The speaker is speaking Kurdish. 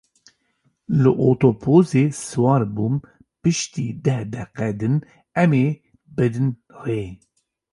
Li otobusê siwar bûm, pişti deh deqe din em ê bidin rê.